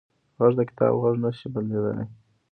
غږ د کتاب غږ نه شي بدلېدلی